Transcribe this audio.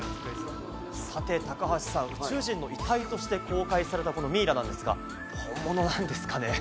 さて高橋さん、宇宙人の遺体として公開された、このミイラなんですが、本物なんですかね？